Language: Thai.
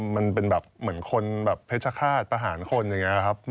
มันเป็นแบบเหมือนคนแบบเพชรฆาตประหารคนอย่างนี้ครับ